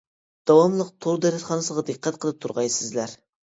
داۋاملىق تور دەرسخانىسىغا دىققەت قىلىپ تۇرغايسىزلەر.